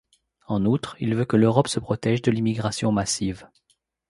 En outre, il veut que l’Europe se protège de l’immigration massive.